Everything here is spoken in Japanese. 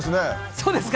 そうですか？